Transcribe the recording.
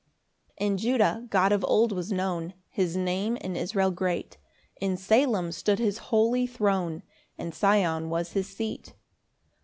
1 In Judah God of old was known; His Name in Israel great; In Salem stood his holy throne, And Sion was his seat.